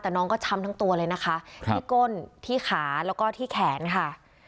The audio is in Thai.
แต่น้องก็ช้ำทั้งตัวเลยนะคะที่ก้นที่ขาแล้วก็ที่แขนค่ะ